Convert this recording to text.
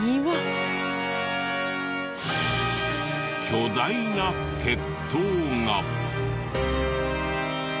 巨大な鉄塔が。